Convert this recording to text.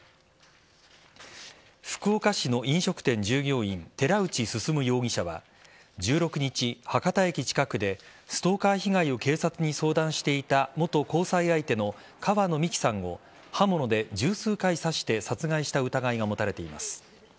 福岡市の飲食店従業員寺内進容疑者は１６日、博多駅近くでストーカー被害を警察に相談していた元交際相手の川野美樹さんを刃物で十数回刺して殺害した疑いが持たれています。